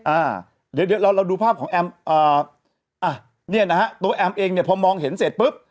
อ่าเดี๋ยวเดี๋ยวเราเราดูภาพของแอมอ่าอ่ะเนี่ยนะฮะตัวแอมเองเนี่ยพอมองเห็นเสร็จปุ๊บ